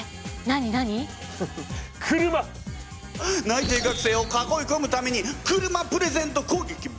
内定学生を囲いこむために車プレゼントこうげき！